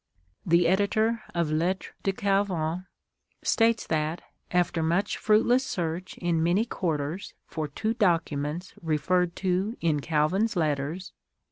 The editor of " Lettres de Calvin," states that, after much fruitless search in many quarters for two documents referred to in Calvin's Letters, viz.